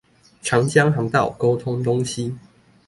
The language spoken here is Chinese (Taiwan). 長江航道溝通東西